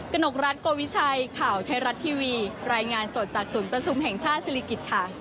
กนกรัฐโกวิชัยข่าวไทยรัฐทีวีรายงานสดจากศูนย์ประชุมแห่งชาติศิริกิจค่ะ